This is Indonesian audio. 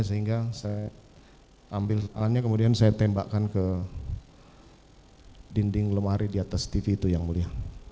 sehingga saya ambil kemudian saya tembakkan ke dinding lemari di atas tv itu yang mulia